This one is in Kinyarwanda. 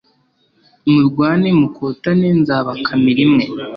murwane mukotane nzabakamira imwe